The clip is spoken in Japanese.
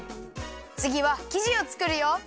つぎはきじをつくるよ！